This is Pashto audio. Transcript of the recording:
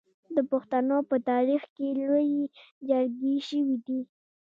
د پښتنو په تاریخ کې لویې جرګې شوي دي.